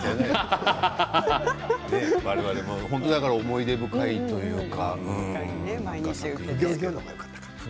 思い出深いというか。